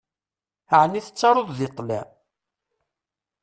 Ɛni tettaruḍ deg ṭṭlam?